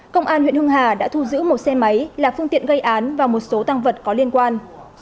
công an huyện hưng hà đã thu giữ một xe máy là phương tiện gây án và một số tăng vật có liên quan